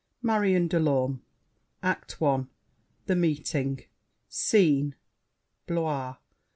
MARION DE LORME ACT I THE MEETING Scene.—Blois.